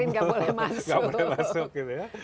yang nggak green nggak boleh masuk